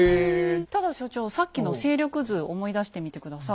ただ所長さっきの勢力図思い出してみて下さい。